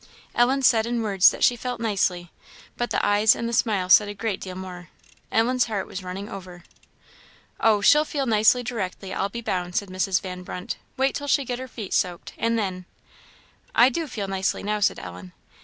Ellen said in words that she felt "nicely," but the eyes and the smile said a great deal more; Ellen's heart was running over. "Oh, she'll feel nicely directly, I'll be bound," said Mrs. Van Brunt; "wait till she get her feet soaked, and then!" "I do feel nicely now," said Ellen.